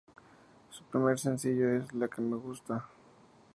Su primer sencillo es 'La Que Me Gusta'.